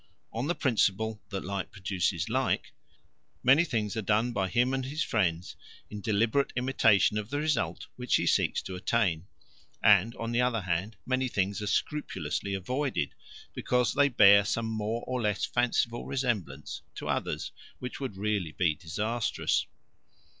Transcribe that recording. On the principle that like produces like, many things are done by him and his friends in deliberate imitation of the result which he seeks to attain; and, on the other hand, many things are scrupulously avoided because they bear some more or less fanciful resemblance to others which would really be disastrous.